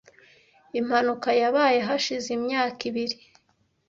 Impanuka yabaye hashize imyaka ibiri.